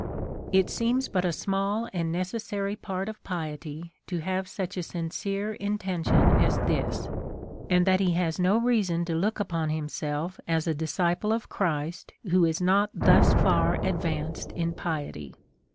It seems but a small and necessary part of piety to have such a sincere intention as this, and that he has no reason to look upon himself as a disciple of Christ who is not thus far advanced in piety.